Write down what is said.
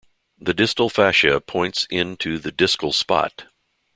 The distal fascia points in to the discal spot.